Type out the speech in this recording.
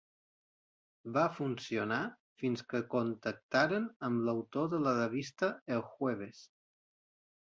Va funcionar fins que contactaren amb l'autor de la revista El Jueves.